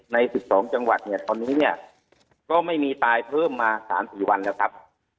ใน๑๒จังหวัดเนี่ยตอนนี้เนี่ยก็ไม่มีตายเพิ่มมา๓๔วันแล้วครับ